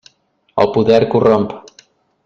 El poder corromp.